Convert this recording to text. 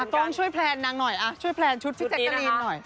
ต้องช่วยแพลนนางหน่อยช่วยแพลนชุดพี่แจ๊กกะลีนหน่อย